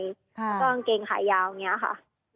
แล้วก็อังเกงขายาวก็เงี้ยะค่ะ